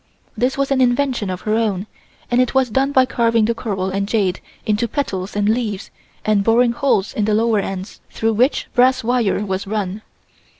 This was an invention of her own and it was done by carving the coral and jade into petals and leaves and boring holes in the lower ends through which brass wire was run.